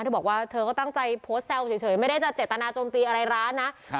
เธอบอกว่าเธอก็ตั้งใจโพสต์แซวเฉยไม่ได้จะเจตนาโจมตีอะไรร้านนะ